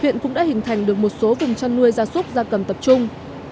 huyện cũng đã hình thành được một số vùng chăn nuôi gia súc gia cầm tập trung